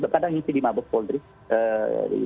kadang di mabes poldri